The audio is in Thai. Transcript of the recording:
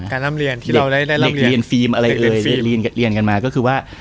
การรำเรียนที่เราได้รำเรียนเรียนกันมาก็คือว่า